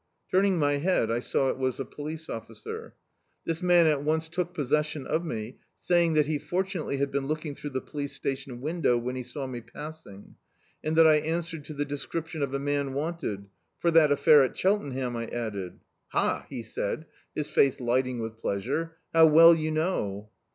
Turning my head I saw it was a police officer. This man at once took pos* session of me, saying that he fortunately had been looking through die police station window, when he saw me passing, and that I answered to the description of a man wanted — "for that affair at Cheltenham," I added. "Ha," he said, his face lifting with pleasure, "how well you know."